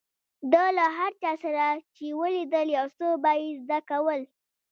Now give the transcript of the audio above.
ده له هر چا سره چې ولیدل، يو څه به يې زده کول.